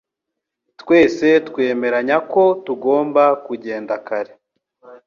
Twese twemeranya ko tugomba kugenda kare.